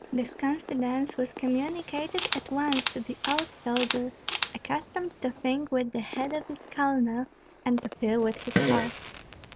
This confidence was communicated at once to the old soldier accustomed to think with the head of his colonel and to feel with his heart.